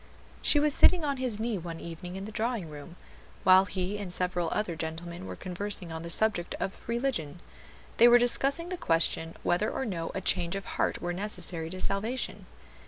She was sitting on his knee one evening in the drawing room, while he and several other gentlemen were conversing on the subject of religion. They were discussing the question whether or no a change of heart were necessary to salvation.